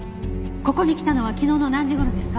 ここに来たのは昨日の何時頃ですか？